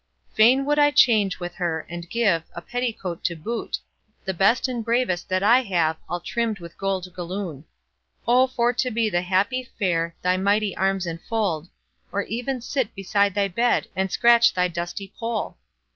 Fain would I change with her, and give A petticoat to boot, The best and bravest that I have, All trimmed with gold galloon. O for to be the happy fair Thy mighty arms enfold, Or even sit beside thy bed And scratch thy dusty poll!